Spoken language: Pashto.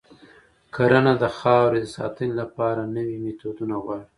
کرنه د خاورې د ساتنې لپاره نوي میتودونه غواړي.